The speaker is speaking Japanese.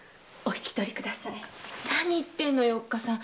何言ってんのよおっかさん。